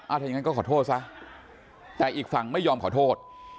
ถ้าอย่างนั้นก็ขอโทษซะแต่อีกฝั่งไม่ยอมขอโทษ